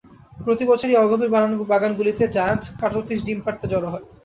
প্রতি বছর এই অগভীর বাগানগুলিতে, জায়ান্ট কাটলফিশ ডিম পাড়তে জড়ো হয়।